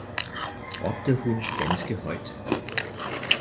råbte hun ganske højt.